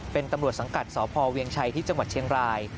เป็นตำรวจสังกัดสพเวียงชัยที่จังหวัดเชียงราย